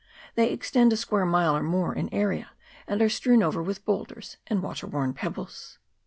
They extend a square mile or more in area, and are strewed over with boulders and water worn pebbles.